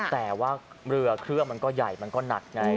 แต่ว่าเรือเครื่องมันก็ใหญ่มันก็หนักไง